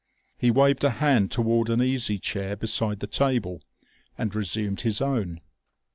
He waved a hand toward an easy chair beside the table, and resumed his own.